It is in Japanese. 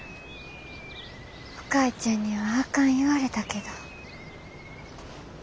お母ちゃんにはあかん言われたけど。